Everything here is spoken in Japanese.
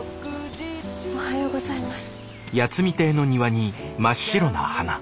おはようございます。